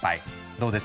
どうです？